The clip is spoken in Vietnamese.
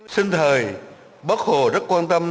sinh thời bác hồ rất quan tâm